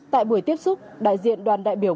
tại buổi tiếp xúc đại diện đoàn đại biểu